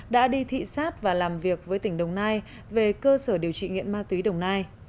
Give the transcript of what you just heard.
đã đi thị xát và làm việc với tỉnh đồng nai về cơ sở điều trị nghiện ma túy đồng nai